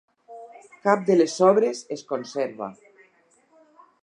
Cap de les obres es conserva.